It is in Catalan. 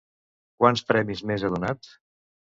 Quants premis més ha donat?